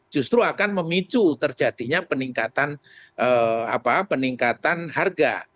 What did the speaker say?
justru akan memicu terjadinya peningkatan harga